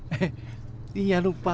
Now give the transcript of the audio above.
eh dia lupa